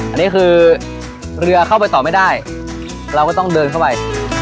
อันนี้คือเรือเข้าไปต่อไม่ได้เราก็ต้องเดินเข้าไป